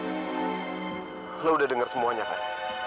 taufan lu udah denger semuanya kan